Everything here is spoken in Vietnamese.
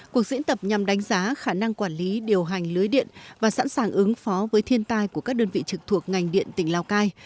cuộc diễn tập nhằm đánh giá khả năng quản lý điều hành lưới điện và sẵn sàng ứng phó với thiên tai của các đơn vị trực thuộc ngành điện tỉnh lào cai